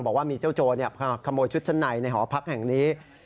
บอกว่ามีเจ้าโจรขโมยชุดชั้นในในหอพักแห่งนี้